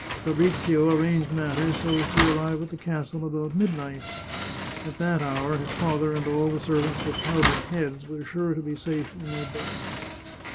Fabrizio arranged matters so as to arrive at the castle about midnight. At that hour his father and all the servants with powdered heads were sure to be safe in their beds.